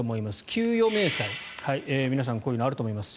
給与明細、皆さんこういうのあると思います。